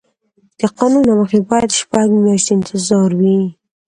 د قانون له مخې باید شپږ میاشتې انتظار وي.